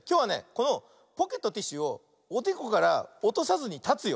このポケットティッシュをおでこからおとさずにたつよ。